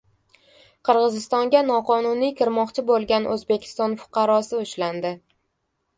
Qirg‘izistonga noqonuniy kirmoqchi bo‘lgan O‘zbekiston fuqarosi ushlandi